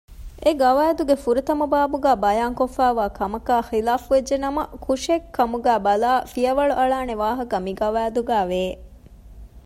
އެގަވައިދުގެ ފުރަތަމަ ބާބުގައި ބަޔާންކޮށްފައިވާ ކަމަކާއި ޚިލާފުވެއްޖެނަމަ ކުށެއްކަމުގައި ބަލައި ފިޔަވަޅު އަޅާނެ ވާހަކަ މިގަވައިދުގައި ވެ